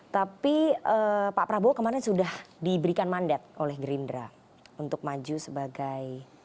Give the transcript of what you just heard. tapi pak prabowo kemarin sudah diberikan mandat oleh gerindra untuk maju sebagai